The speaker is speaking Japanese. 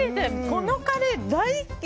このカレー大好き。